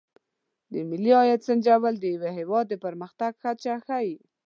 د ملي عاید سنجول د یو هېواد د پرمختګ کچه ښيي.